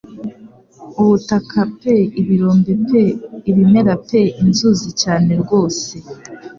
Ubutaka pe ibirombe pe ibimera pe inzuzi cyane rwose